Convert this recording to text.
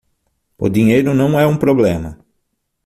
O dinheiro não é um problema